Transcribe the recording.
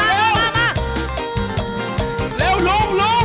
เร็วเร็วเร็วเร็ว